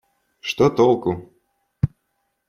Что толку?..